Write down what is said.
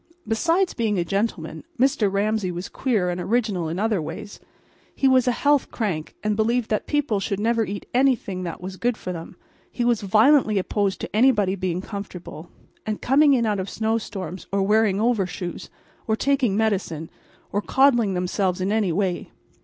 Besides being a gentleman, Mr. Ramsay was queer and original in other ways. He was a health crank, and believed that people should never eat anything that was good for them. He was violently opposed to anybody being comfortable, and coming in out of snow storms, or wearing overshoes, or taking medicine, or coddling themselves in any way.